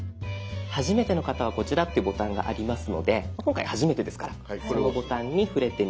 「はじめての方はこちら」っていうボタンがありますので今回はじめてですからそのボタンに触れてみて下さい。